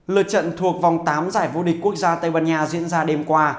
lượt trận thuộc vòng tám giải vô địch quốc gia tây ban nha diễn ra đêm qua